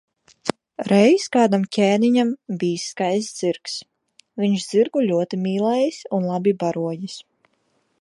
Reiz kādam ķēniņam bijis skaists zirgs, viņš zirgu ļoti mīlējis un labi barojis.